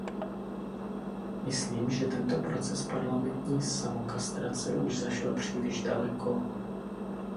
Myslím, že tento proces parlamentní samokastrace už zašel příliš daleko.